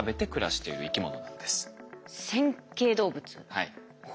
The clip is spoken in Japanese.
はい。